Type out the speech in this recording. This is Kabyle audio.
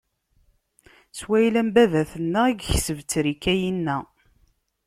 S wayla n baba-tneɣ i yekseb ttrika inna.